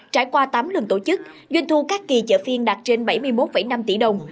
trải qua tám lần tổ chức doanh thu các kỳ chợ phiên đạt trên bảy mươi một năm tỷ đồng